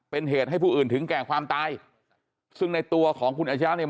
เป็นเหตุให้ผู้อื่นถึงแก่ความตายซึ่งในตัวของคุณอาชญาเนี่ย